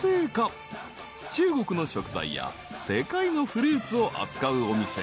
［中国の食材や世界のフルーツを扱うお店］